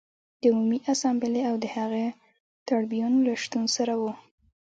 د عمومي اسامبلې او د هغې د ټربیون له شتون سره و